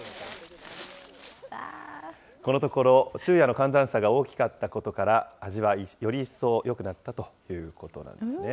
このところ、昼夜の寒暖差が大きかったことから、味はより一層よくなったということなんですね。